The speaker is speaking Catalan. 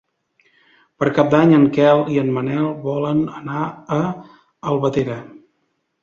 Per Cap d'Any en Quel i en Manel volen anar a Albatera.